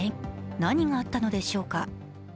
何があったのでしょうか。